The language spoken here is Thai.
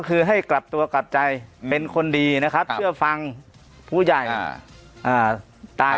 คือให้กลับตัวกลับใจเป็นคนดีนะครับเชื่อฟังผู้ใหญ่ตาย